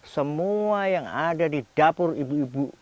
semua yang ada di dapur ibu ibu